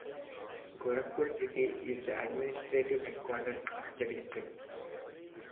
Gorakhpur city is the administrative headquarters of the district.